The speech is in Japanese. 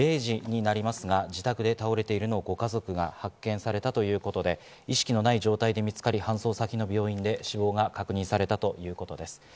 上島さんについて先ほど番組冒頭からお伝えしていますが、今朝の午前０時になりますが、自宅で倒れているのをご家族が発見されたということで、意識のない状態で見つかり、搬送先の病院で死亡が確認されたということです。